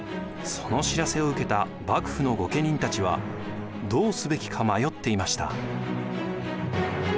その知らせを受けた幕府の御家人たちはどうすべきか迷っていました。